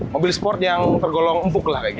mobil sport yang tergolong empuk lah